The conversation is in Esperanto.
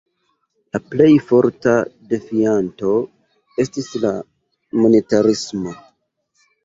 La plej forta defianto estis la monetarismo.